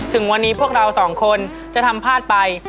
ถึงวันนี้พวกเราสองคนจะทำพลาดไป